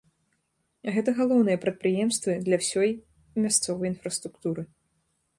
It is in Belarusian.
А гэта галоўныя прадпрыемствы для ўсёй мясцовай інфраструктуры.